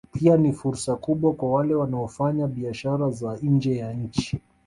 Pia ni fursa kubwa kwa wale wanaofanya biashara za nje ya nchi